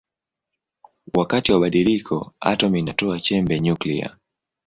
Wakati wa badiliko atomi inatoa chembe nyuklia.